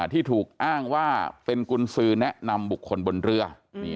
ที่ถูกอ้างว่าเป็นกุญสือแนะนำบุคคลบนเรือ